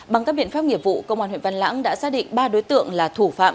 bằng các biện pháp nghiệp vụ công an huyện văn lãng đã xác định ba đối tượng là thủ phạm